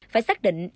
phải xác định